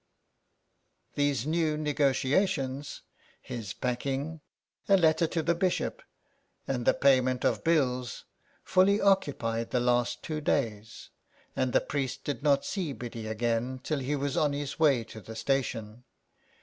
These new negotiations, his packing, a letter to the Bishop, and the payment of bills, fully occupied the last two days, and the priest did not see Biddy again till he was on his way to the station.